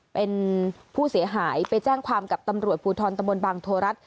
เป็นผู้เสียหายไปแจ้งความกับตำรวจภูทรตะบนบางโทรัฐ